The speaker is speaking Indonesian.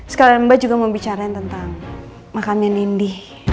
sekalian mbak juga mau bicara tentang makamnya nindi